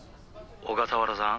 「小笠原さん？」